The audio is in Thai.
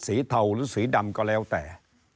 เทาหรือสีดำก็แล้วแต่